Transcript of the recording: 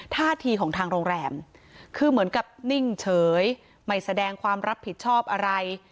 ท่าทีของทางโรงแรมคือเหมือนกับนิ่งเฉยไม่แสดงความรับผิดชอบอะไร